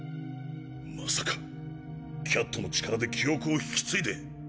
まさかキャットの力で記憶を引き継いで。